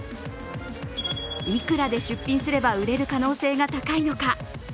いくらで出品すれば売れる可能性が高いのか。